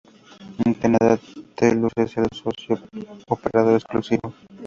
En Canadá, Telus es el socio operador exclusivo.